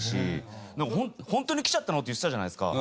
「ホントに来ちゃったの？」って言ってたじゃないですか。